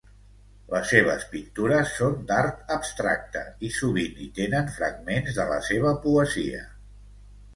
Les seves pintures són d’art abstracte i sovint hi tenen fragments de la seva poesia.